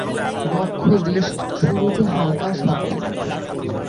বক্ষদেশ শুরুতে হালকা সবজে।